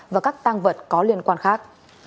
và các tăng vật có liên quan khác